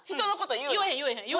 言わへん言わへん。